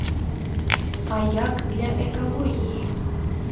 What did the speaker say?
А як для экалогіі?